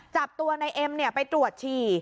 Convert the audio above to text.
จับตัวนายเอ็มเนี่ยไปตรวจฉี่